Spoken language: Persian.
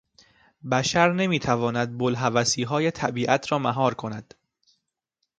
بشر نمیتواند بوالهوسیهای طبیعت را مهار کند.